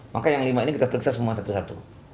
maka yang lima ini kita periksa semua satu satu